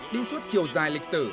đi suốt chiều dài lịch sử